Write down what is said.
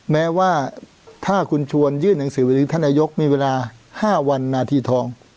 แม้ว่าถ้าคุณชวนยื่นหนังสือไปถึงท่านนายกมีเวลา๕วันนาทีทอง